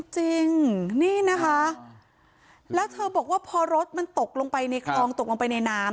จริงนี่นะคะแล้วเธอบอกว่าพอรถมันตกลงไปในนาม